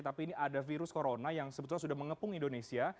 tapi ini ada virus corona yang sebetulnya sudah mengepung indonesia